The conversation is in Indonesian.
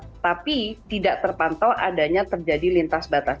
dan tapi tidak terpantau adanya terjadi lintas batas